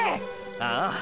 ああ！